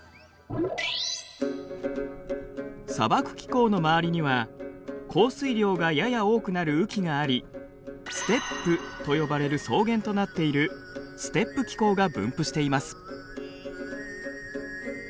砂漠気候の周りには降水量がやや多くなる雨季がありステップと呼ばれる草原となっているステップ気候が分布しています。